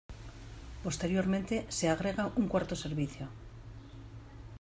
Posteriormente se agrega un cuarto servicio.